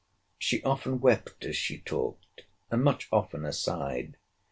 She often wept as she talked, and much oftener sighed.